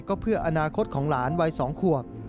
ก็เพื่ออนาคตของหลานวัย๒ขวบ